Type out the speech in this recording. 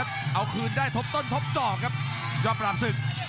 อันนี้เอาคืนได้ทบต้นทบจอกครับยอดปรับศึก